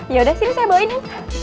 yaudah sini saya bawa ini